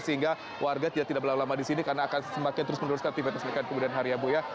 sehingga warga tidak berlalu lama di sini karena akan semakin terus meneruskan aktivitas mereka di kemudian hari ya bu ya